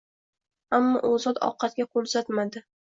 Ammo u zot ovqatga qo‘l uzatmadi.